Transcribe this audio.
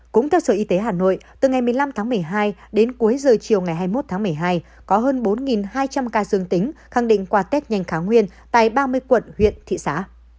cũng theo sở y tế hà nội từ ngày một mươi năm tháng một mươi hai đến cuối giờ chiều ngày hai mươi một tháng một mươi hai có hơn bốn hai trăm linh ca dương tính khẳng định qua test nhanh kháng nguyên tại ba mươi quận huyện thị xã